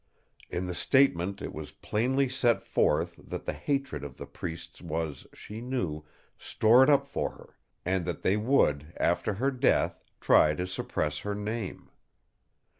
"In the statement it was plainly set forth that the hatred of the priests was, she knew, stored up for her, and that they would after her death try to suppress her name.